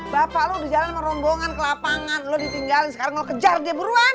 bapak lo di jalan sama rombongan ke lapangan lo ditinggalin sekarang mau kejar dia buruan